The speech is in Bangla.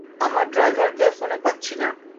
আমার ড্রাইভারকে ফোনে পাচ্ছি না!